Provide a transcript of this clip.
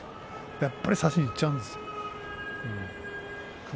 やっぱり差しにいってしまうんです。